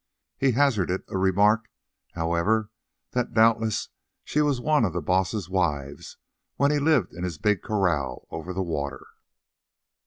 He hazarded a remark, however, that doubtless she was one of the Baas's wives when he lived in his big kraal over the water.